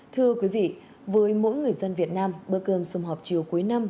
thưa quý vị với mỗi người dân việt nam bữa cơm xung họp chiều cuối năm